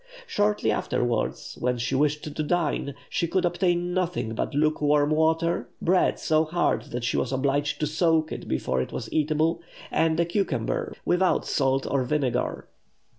Shortly afterwards, when she wished to dine, she could obtain nothing but lukewarm water, bread so hard that she was obliged to soak it before it was eatable, and a cucumber without salt or vinegar.